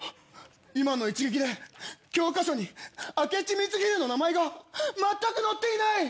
今の一撃で教科書に明智光秀の名前がまったく載っていない！